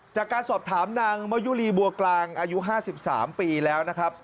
จากการสอบถามนางมะยุรีบัวกลางอายุ๕๓ปีแล้วนะครับ